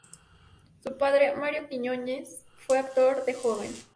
Su padre, Mario Quiñónez, fue actor de joven.